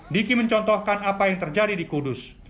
diki mencontohkan apa yang terjadi di kudus